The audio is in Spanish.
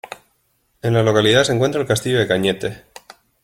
En la localidad se encuentra el castillo de Cañete.